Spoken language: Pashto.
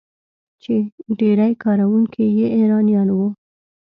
چې ډیری کارکونکي یې ایرانیان وو.